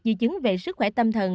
di chứng về sức khỏe tâm thần